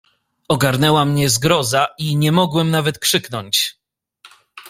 "Ogarnęła mnie zgroza i nie mogłem nawet krzyknąć."